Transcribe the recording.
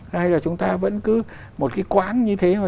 hay là chúng ta vẫn cứ một cái quãng như thế mà